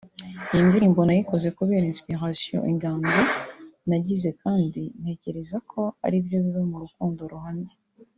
Iyi ndirimbo nayikoze kubera inspiration(inganzo) nagize kandi ntekereza ko aribyo biba mu rukundo ruhamye